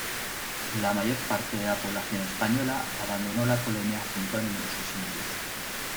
La mayor parte de la población española abandonó la colonia junto a numerosos indios.